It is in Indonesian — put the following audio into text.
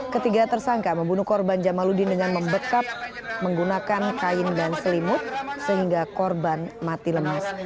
ketiga tersangka membunuh korban jamaludin dengan membekap menggunakan kain dan selimut sehingga korban mati lemas